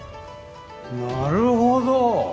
なるほど。